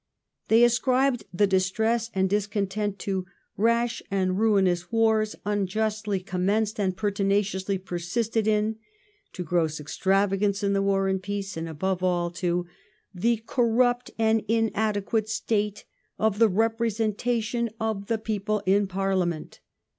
They ascribed the distress and discontent to " rash and ruinous wars, unjustly commenced and pertinaciously pei*sisted in," to gross extravagance in war and peace, and above all to " the corrupt and inadequate state of the representation of the people in Parliament".